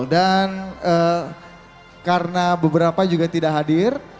dan karena beberapa juga tidak hadir